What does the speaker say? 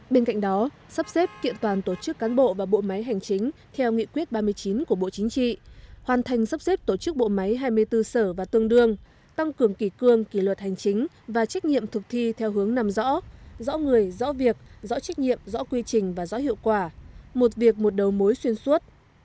bên cạnh đó sắp xếp kiện toàn tổ chức cán bộ và bộ máy hành chính theo nghị quyết ba mươi chín của bộ chính trị hoàn thành sắp xếp tổ chức bộ máy hai mươi bốn sở và tương đương tăng cường kỷ cương kỷ luật hành chính và trách nhiệm thực thi theo hướng nằm rõ rõ người rõ việc rõ trách nhiệm rõ quy trình và rõ hiệu quả một việc một đầu mối xuyên suốt